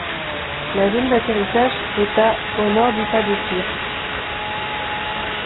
La zone d’atterrissage est à au nord du pas de tir.